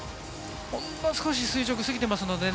ほんの少し垂直すぎてますのでね